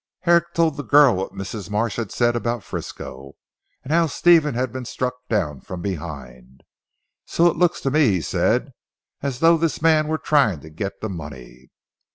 Herrick told the girl what Mrs. Marsh had said about Frisco, and how Stephen had been struck down from behind. "So it looks to me," he said, "as though this man were trying to get the money."